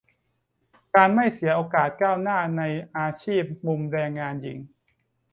- การไม่เสียโอกาสก้าวหน้าในอาชีพ มุมแรงงานหญิง